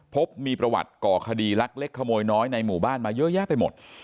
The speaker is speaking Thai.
พบมีประวัติก่อคดีลักเล็กขโมยน้อยในหมู่บ้านมาเยอะแยะไปหมด